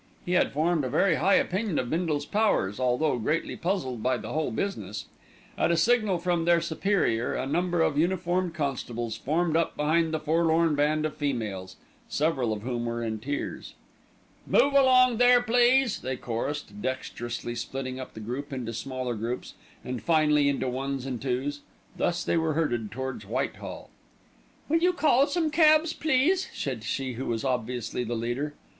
He had formed a very high opinion of Bindle's powers, although greatly puzzled by the whole business. At a signal from their superior, a number of uniformed constables formed up behind the forlorn band of females, several of whom were in tears. "Move along there, please," they chorused, dexterously splitting up the group into smaller groups, and, finally, into ones and twos. Thus they were herded towards Whitehall. "Will you call some cabs, please," said she who was obviously the leader.